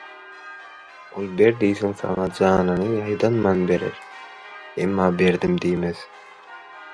Ol ber diýseň, saňa janyny ýaýdanman berer, emma berdim diýmez.